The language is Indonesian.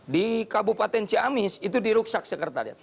di kabupaten ciamis itu dirusak sekretariat